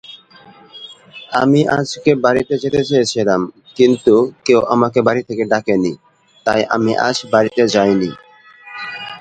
The flowers are white and vivid blue.